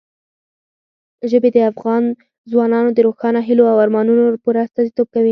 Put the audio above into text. ژبې د افغان ځوانانو د روښانه هیلو او ارمانونو پوره استازیتوب کوي.